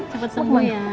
cepat sembuh ya